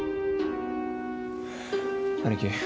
兄貴